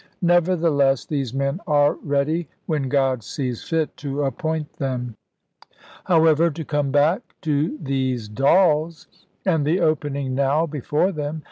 Nevertheless these men are ready, when God sees fit to appoint them. However, to come back to these dolls, and the opening now before them.